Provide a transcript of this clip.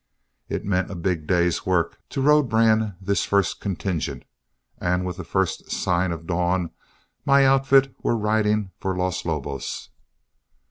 It meant a big day's work to road brand this first contingent, and with the first sign of dawn, my outfit were riding for Los Lobos.